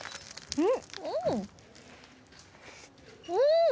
うん！